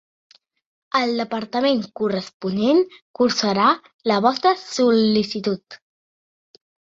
El departament corresponent cursarà la vostra sol·licitud.